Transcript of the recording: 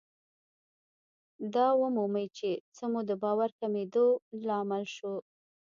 دا ومومئ چې څه مو د باور کمېدو لامل شو.